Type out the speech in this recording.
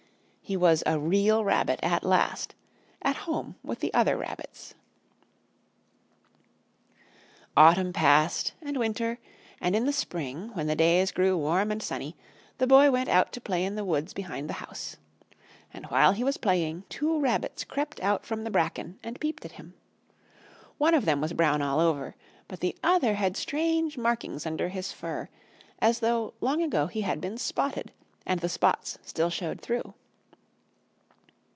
He was a Real Rabbit at last, at home with the other rabbits. At Last! At Last! Autumn passed and Winter, and in the Spring, when the days grew warm and sunny, the Boy went out to play in the wood behind the house. And while he was playing, two rabbits crept out from the bracken and peeped at him. One of them was brown all over, but the other had strange markings under his fur, as though long ago he had been spotted, and the spots still showed through.